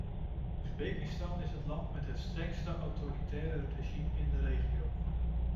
Oezbekistan is het land met het strengste autoritaire regime in de regio.